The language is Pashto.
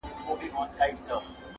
زما پر زړه لګي سیده او که کاږه وي,